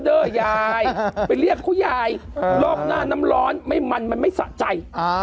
เด้อยายไปเรียกเขายายรอบหน้าน้ำร้อนไม่มันมันไม่สะใจ